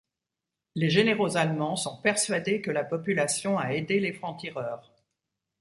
Les généraux allemands sont persuadés que la population a aidé les francs-tireurs.